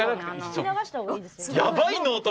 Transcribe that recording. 聞き流した方がいいですよ。